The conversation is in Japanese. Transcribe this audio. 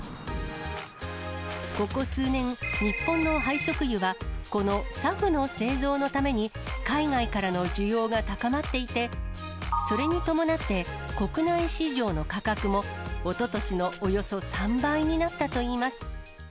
ここ数年、日本の廃食油は、このＳＡＦの製造のために、海外からの需要が高まっていて、それに伴って、国内市場の価格も、おととしのおよそ３倍になったといいます。